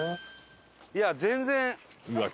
いや全然。